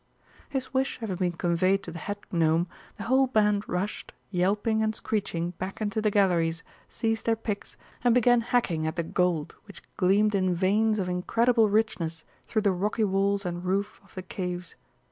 His wish having been conveyed to the Head Gnome, the whole band rushed, yelping and screeching, back into the galleries, seized their picks, and began hacking at the gold which gleamed in veins of incredible richness through the rocky walls and roof of the caves.